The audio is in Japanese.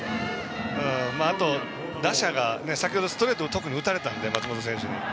あと、打者が先ほどストレートを打たれたので松本選手に。